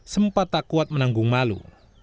sempat tak kuat menanggung malu